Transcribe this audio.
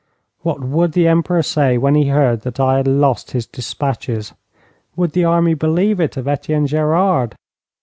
What would the Emperor say when he heard that I had lost his despatches? Would the army believe it of Etienne Gerard?